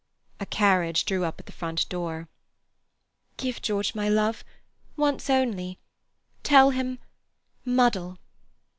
A carriage drew up at the front door. "Give George my love—once only. Tell him 'muddle.